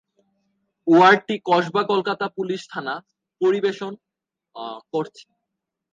ওয়ার্ডটি Kasba Kolkata police থানা পরিবেশন করছে।